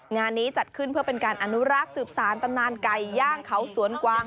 งานนี้จัดขึ้นเพื่อเป็นการอนุรักษ์สืบสารตำนานไก่ย่างเขาสวนกวาง